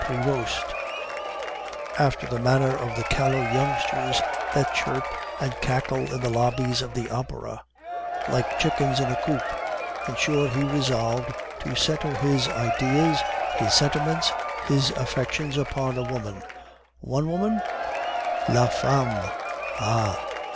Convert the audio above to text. Prevost, after the manner of the callow youngsters that chirp and cackle in the lobbies of the Opera, like chickens in a coop. In short, he resolved to centre his ideas, his sentiments, his affections upon a woman, one woman? LA PHAMME! Ah!....